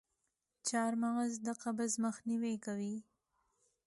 چارمغز د قبض مخنیوی کوي.